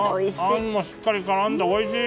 あんがしっかり絡んでおいしい。